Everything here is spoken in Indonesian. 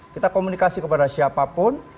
kita komunikasi kepada siapapun